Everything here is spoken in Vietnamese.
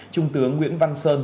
trung tướng nguyễn văn sơn